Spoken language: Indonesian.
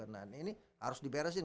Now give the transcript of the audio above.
nah ini harus diberesin